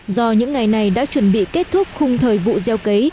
do những ngày này đã chuẩn bị kết thúc khung thời vụ gieo cấy